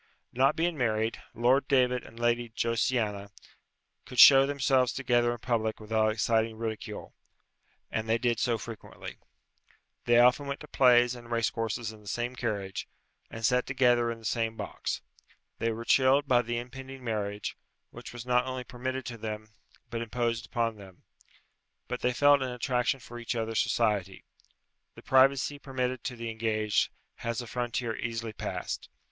Not being married, Lord David and Lady Josiana could show themselves together in public without exciting ridicule, and they did so frequently. They often went to plays and racecourses in the same carriage, and sat together in the same box. They were chilled by the impending marriage, which was not only permitted to them, but imposed upon them; but they felt an attraction for each other's society. The privacy permitted to the engaged has a frontier easily passed.